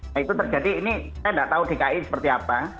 nah itu terjadi ini saya nggak tahu dki seperti apa